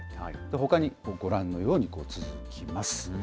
ほかにご覧のように続きます。